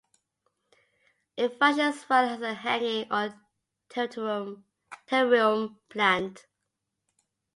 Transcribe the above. It functions well as a hanging or terrarium plant.